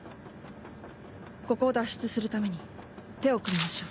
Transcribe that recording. ここを脱出するために手を組みましょう。